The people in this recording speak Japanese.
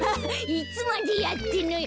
いつまでやってんのよ。